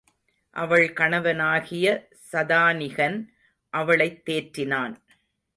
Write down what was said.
அவள் கணவனாகிய சதானிகன் அவளைத் தேற்றினான்.